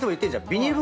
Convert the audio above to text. ビニール